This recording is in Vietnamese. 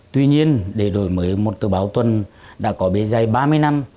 tuy nhiên để đổi mới một tờ báo tuần đã có bề dày ba mươi năm